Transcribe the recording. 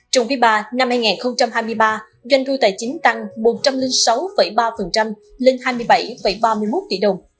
trong quý ba năm hai nghìn hai mươi ba doanh thu tài chính tăng một trăm linh sáu ba lên hai mươi bảy ba mươi một tỷ đồng